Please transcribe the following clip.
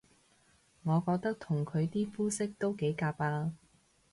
我覺得同佢啲膚色都幾夾吖